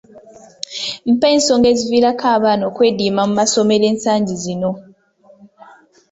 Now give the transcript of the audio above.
Mpa ensonga eziviirako abaana okwediima mu masomero ensangi zino.